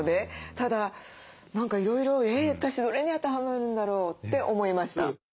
ただ何かいろいろ「え私どれに当てはまるんだろう？」って思いました。